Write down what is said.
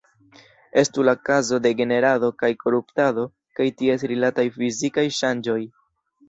Estu la kazo de generado kaj koruptado kaj ties rilataj fizikaj ŝanĝoj.